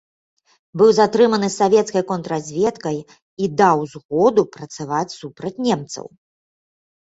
Быў затрыманы савецкай контрразведкай і даў згоду працаваць супраць немцаў.